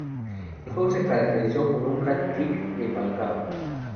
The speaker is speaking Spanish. El juego se caracterizó por un "hat-trick" de Falcao.